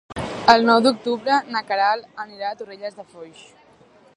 El nou d'octubre na Queralt anirà a Torrelles de Foix.